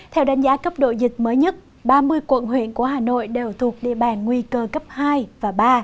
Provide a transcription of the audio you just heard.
theo đánh giá cấp độ dịch mới nhất ba mươi quận huyện của hà nội đều thuộc địa bàn nguy cơ cấp hai và ba